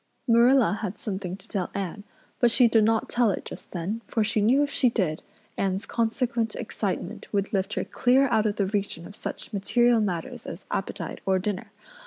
Marilla had something to tell Anne, but she did not tell it just then for she knew if she did Anne's consequent excitement would lift her clear out of the region of such material matters as appetite or dinner.